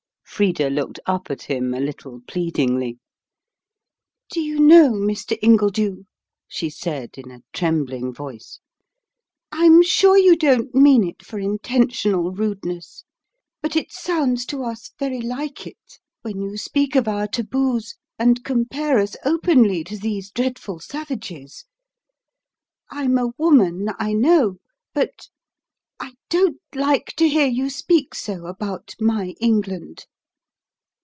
Frida looked up at him a little pleadingly. "Do you know, Mr. Ingledew," she said, in a trembling voice, "I'm sure you don't mean it for intentional rudeness, but it sounds to us very like it, when you speak of our taboos and compare us openly to these dreadful savages. I'm a woman, I know; but I don't like to hear you speak so about my England."